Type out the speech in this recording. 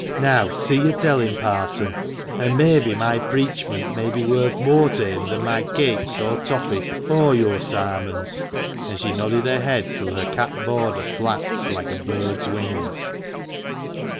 Now see you tell him, parson ; and maybe my preachment may be worth more to him than my cakes or toffy, or your sarmons." And she nodded her head till her cap border flapped like a bird's wings.